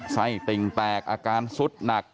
ไส้ติ่งแตกอาการสุดหนัก